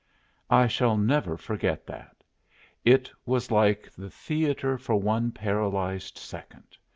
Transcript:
I shall never forget that. It was like the theatre for one paralyzed second!